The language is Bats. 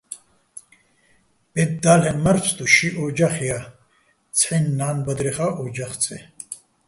ბედ და́ლ'ენო̆ მარ-ფსტუ ში ო́ჯახ ჲა, ცჰ̦აჲნი̆ ნან-ბადრეხა́ ო́ჯახ წე.